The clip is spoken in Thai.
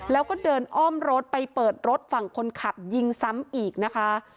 แล้วก็เดินอ้อมรถไปเปิดรถฝั่งคนขับยิงซ้ำอีกนะคะ